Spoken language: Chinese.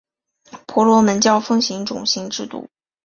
婆罗门教奉行种姓制度。